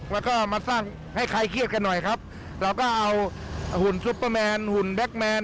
แล้วก็มาสร้างให้ใครเครียดกันหน่อยครับเราก็เอาหุ่นซุปเปอร์แมนหุ่นแก๊กแมน